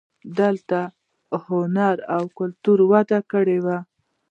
دلته هنر او کلتور وده کړې وه